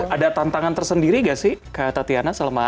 ada tantangan tersendiri gak sih kata tiana selama